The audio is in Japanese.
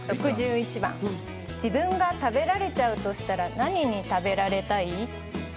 ６１番自分が食べられちゃうとしたら何に食べられたい？